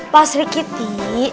pak sri kiti